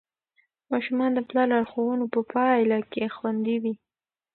ماشومان د پلار لارښوونو په پایله کې خوندي وي.